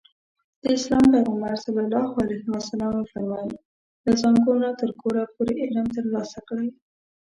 د اسلام پيغمبر ص وفرمايل له زانګو نه تر ګوره پورې علم ترلاسه کړئ.